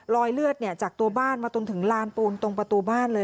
รอยเลือดจากตัวบ้านมาจนถึงลานปูนตรงประตูบ้านเลย